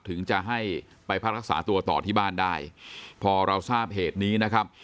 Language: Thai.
ถึงจะให้ไปพักรักษาตัวต่อที่บ้านได้พอเราทราบเหตุนี้นะครับ